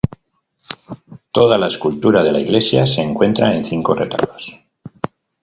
Toda la escultura de la Iglesia se encuentra en cinco retablos.